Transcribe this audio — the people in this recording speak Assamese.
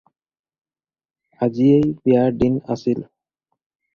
আজিয়েই বিয়াৰ দিন আছিল।